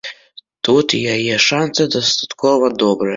Тут яе шансы дастаткова добрыя.